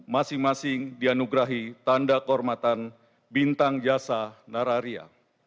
masing masing dianugerahi tanda kehormatan bintang jasa nararia